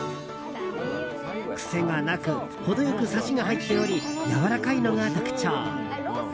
癖がなくほどよくサシが入っておりやわらかいのが特徴。